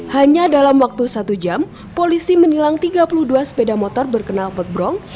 hanya dalam waktu satu jam polisi menilang tiga puluh dua sepeda motor berkenal potbrong